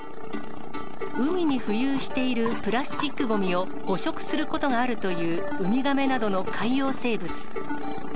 海に浮遊しているプラスチックごみを捕食することがあるというウミガメなどの海洋生物。